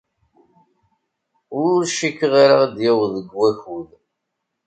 Ur cikkeɣ ara ad d-yaweḍ deg wakud.